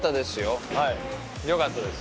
よかったです。